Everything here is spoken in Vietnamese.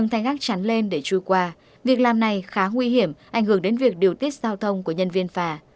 hãy đăng lên để chui qua việc làm này khá nguy hiểm ảnh hưởng đến việc điều tiết giao thông của nhân viên phà